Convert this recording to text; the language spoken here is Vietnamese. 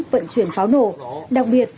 vận chuyển pháo nổ đặc biệt